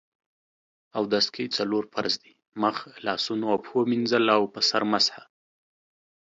اودس کې څلور فرض دي: مخ، لاسونو او پښو مينځل او په سر مسح